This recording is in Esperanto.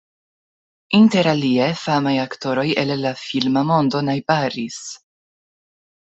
Interalie famaj aktoroj el la filma mondo najbaris.